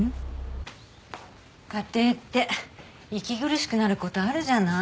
家庭って息苦しくなることあるじゃない？